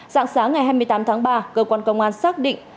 dạng sáng ngày hai mươi tám tháng ba cơ quan công an xác định